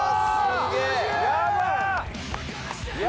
すげえ。